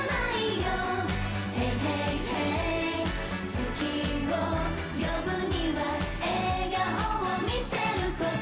「ツキを呼ぶには笑顔を見せること」